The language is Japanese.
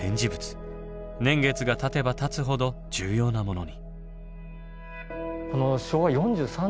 年月がたてばたつほど重要なものに。